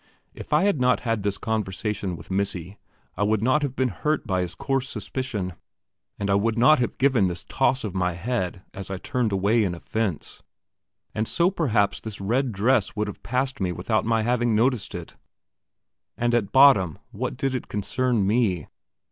If I had not had this conversation with "Missy," I would not have been hurt by his coarse suspicion, and I would not have given this toss of my head, as I turned away in offence; and so perhaps this red dress would have passed me without my having noticed it. And at bottom what did it concern me?